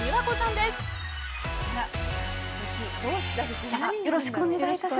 ではよろしくお願いいたします。